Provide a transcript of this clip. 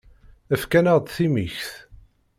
Efk-aneɣ-d timikt.